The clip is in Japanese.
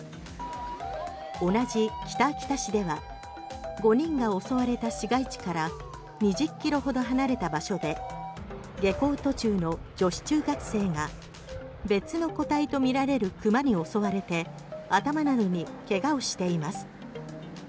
同じ北秋田市では５人が襲われた市街地から２０ｋｍほど離れた場所で帰宅途中の女子中学生が別の個体とみられるクマに襲われ頭などに怪我をしています。